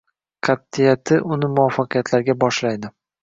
Qatʼiyati uni muvaffaqiyatlarga boshlaydi.